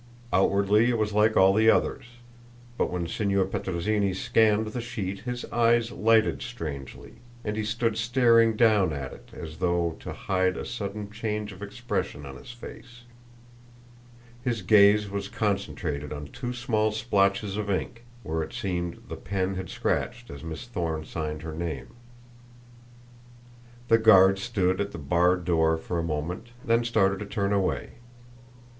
Outwardly it was like all the others, but when Signor Petrozinni scanned the sheet his eyes lighted strangely, and he stood staring down at it as though to hide a sudden change of expression in his face. His gaze was concentrated on two small splotches of ink where, it seemed, the pen had scratched as Miss Thorne signed her name. The guard stood at the barred door for a moment, then started to turn away.